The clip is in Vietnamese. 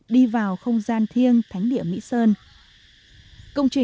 đi vào không gian thiêng thánh địa mỹ sơn